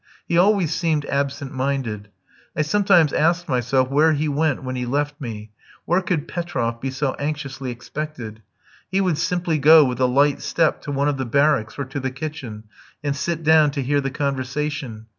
He always seemed absent minded. I sometimes asked myself where he went when he left me, where could Petroff be so anxiously expected? He would simply go with a light step to one of the barracks or to the kitchen, and sit down to hear the conversation.